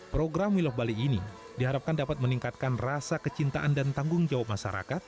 program wiloh bali ini diharapkan dapat meningkatkan rasa kecintaan dan tanggung jawab masyarakat